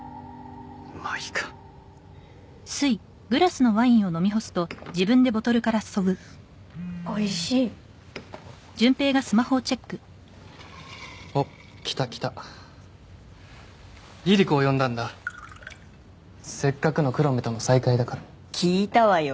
まあいいかおいしいおっ来た来たリリ子を呼んだんだせっかくの黒目との再会だから聞いたわよ